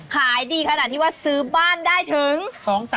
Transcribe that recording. ขายดีขนาดที่ว่าซื้อบ้านได้ถึง